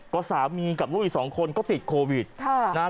ก็สามีกับลูกอีกสองคนก็ติดโควิดค่ะนะฮะ